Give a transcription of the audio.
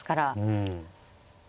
うん。